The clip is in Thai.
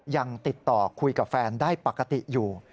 ยังติดต่อคุยกับแฟนได้ปกติอยู่